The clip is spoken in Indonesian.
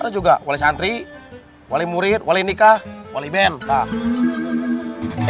ada juga wali santri wali murid wali nikah wali band